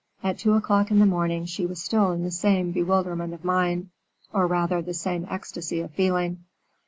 At two o'clock in the morning she was still in the same bewilderment of mind, or rather the same ecstasy of feeling.